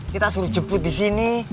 kita suruh jemput di sini